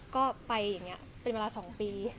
ก็ไปอย่างเงี้ยเป็นเวลาสองปี